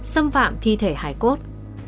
xâm phạm thi thể hải cốt